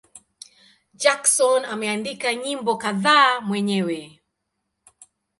Jackson ameandika nyimbo kadhaa mwenyewe.